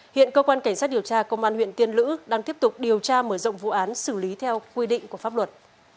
hiện cơ quan cảnh sát điều tra công an huyện tiên lữ đang tiếp tục điều tra mở rộng vụ án xử lý theo quy định của pháp luật